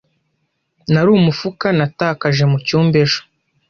Nari umufuka natakaje mucyumba ejo.